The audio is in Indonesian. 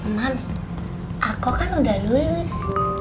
mams aku kan udah lulus